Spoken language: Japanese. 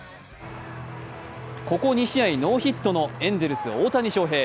ここ２試合ノーヒットのエンゼルス・大谷翔平。